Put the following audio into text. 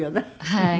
はい。